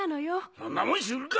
そんなもん知るか！